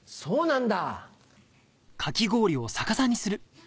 そうなんだ。